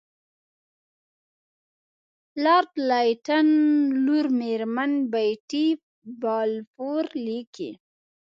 لارډ لیټن لور میرمن بیټي بالفور لیکي.